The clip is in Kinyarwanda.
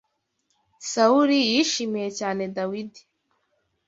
Sawuli yishimiye cyane Dawidi.